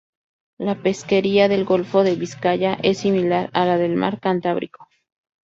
La pesquería del golfo de Vizcaya es similar a la del mar Cantábrico.